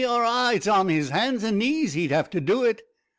Arrah it's on his hands an knees he'd have to do it."